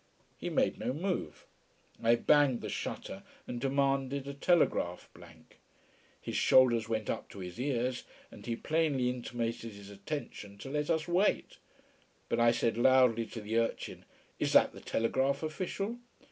He made no move. I banged the shutter and demanded a telegraph blank. His shoulders went up to his ears, and he plainly intimated his intention to let us wait. But I said loudly to the urchin: "Is that the telegraph official?"